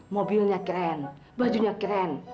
mobilnya keren bajunya keren